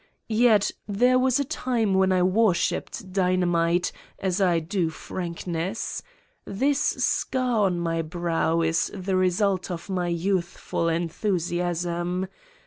Yet, there was a time when I worshiped dynamite as I do frankness ... this scar on my brow is the result of my youthful enthusiasm.